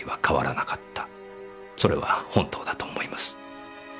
それは本当だと思います。